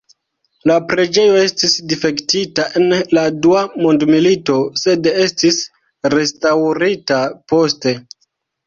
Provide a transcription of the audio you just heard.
La preĝejo estis difektita en la dua mondmilito, sed estis restaŭrita poste.